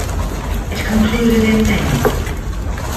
It concluded in May.